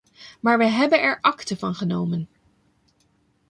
Maar we hebben er akte van genomen.